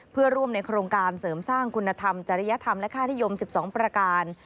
เพื่อร่วมในโครงการเสริมสร้างคุณธรรมจริยธรรมและค่านิยม๑๒ประการ